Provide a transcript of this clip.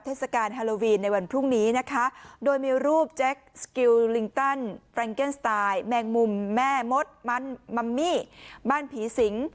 เทศกาลฮาโลวีนในวันพรุ่งนี้นะคะโดยมีรูปแมงมุมแม่มดบ้านผีสิง